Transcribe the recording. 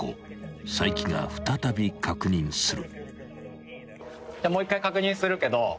［齋木が再び確認する］